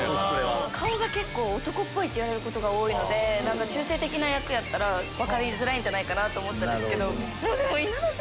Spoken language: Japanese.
顔が結構男っぽいって言われることが多いので中性的な役やったら分かりづらいと思った。